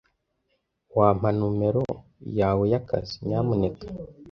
Wampa numero yawe yakazi, nyamuneka?